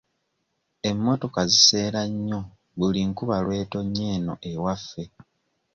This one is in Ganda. Emmotoka ziseerera nnyo buli nkuba lw'etonnya eno ewaffe.